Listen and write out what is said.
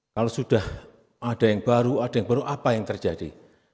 kalau sudah ada yang baru ada yang baru apa yang terjadi